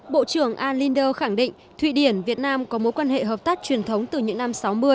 bộ trưởng alinder khẳng định thụy điển việt nam có mối quan hệ hợp tác truyền thống từ những năm sáu mươi